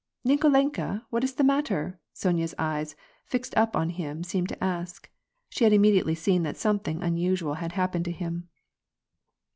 " Nikolenka, what is the matter ?" Sonya's eyes, fixed up on him, seemed to ask. She had immediately seen that some thing unusual had happened to him.